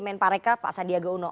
menpareka pak sandiaga uno